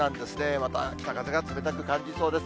また北風が冷たく感じそうです。